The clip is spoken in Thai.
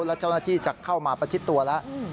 แล้วเจ้าหน้าที่จะเข้ามาประชิดตัวแล้ว